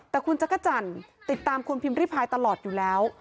แต่คุณจักรจันทร์ติดตามคุณพิมพิพายตลอดอยู่แล้ว